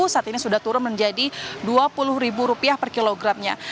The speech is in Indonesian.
saat ini sudah turun menjadi rp dua puluh per kilogramnya